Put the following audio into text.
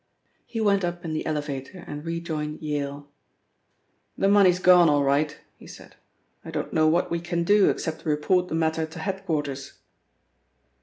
He went up in the elevator and rejoined Vale. "The money's gone all right," he said. "I don't know what we can do except report the matter to head quarters."